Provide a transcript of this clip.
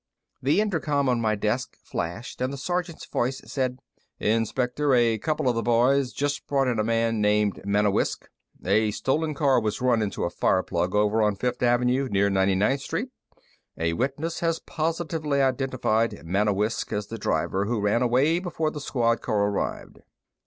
The intercom on my desk flashed, and the sergeant's voice said: "Inspector, a couple of the boys just brought in a man named Manewiscz. A stolen car was run into a fire plug over on Fifth Avenue near 99th Street. A witness has positively identified Manewiscz as the driver who ran away before the squad car arrived."